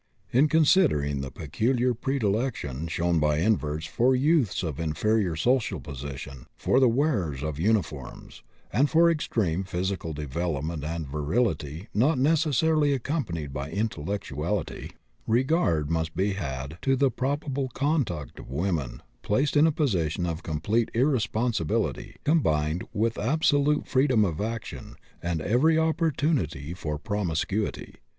In considering the peculiar predilection shown by inverts for youths of inferior social position, for the wearers of uniforms, and for extreme physical development and virility not necessarily accompanied by intellectuality, regard must be had to the probable conduct of women placed in a position of complete irresponsibility combined with absolute freedom of action and every opportunity for promiscuity.